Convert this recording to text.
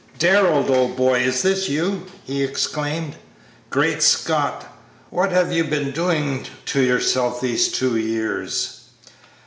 "Darrell, old boy! is this you?" he exclaimed; "Great Scott! what have you been doing to yourself these two years?"